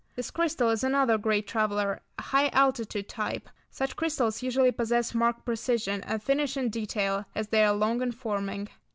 This crystal is another great traveller, a high altitude type. Such crystals usually possess marked precision and finish in detail as they are long in forming.